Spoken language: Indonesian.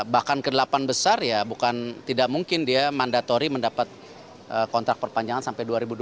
bahkan ke delapan besar ya bukan tidak mungkin dia mandatori mendapat kontrak perpanjangan sampai dua ribu dua puluh